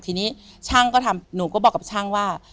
ทีนี้ช่างก็ทำหนูก็บอกกับช่างว่า